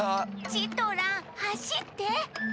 チトランはしって！